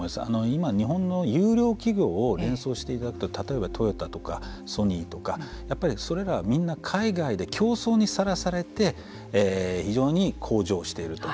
今、日本の優良企業を連想していただくと例えばトヨタとかソニーとかやっぱり、それらはみんな、海外で競争にさらされて非常に向上していると。